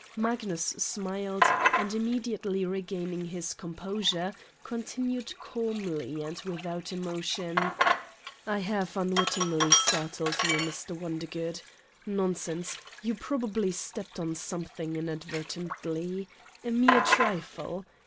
Magnus smiled and immediately regaining his composure continued calmly and without emotion : "I have unwittingly startled you, Mr. Wonder good? Nonsense! You probably stepped on something inadvertently. A mere trifle.